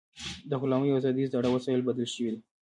د غلامۍ او ازادۍ زاړه وسایل بدل شوي دي.